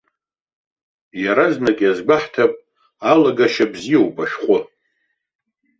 Еразнак иазгәаҳҭап алагашьа бзиоуп ашәҟәы.